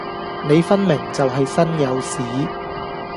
你分明就係身有屎